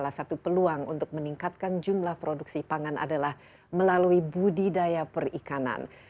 salah satu peluang untuk meningkatkan jumlah produksi pangan adalah melalui budidaya perikanan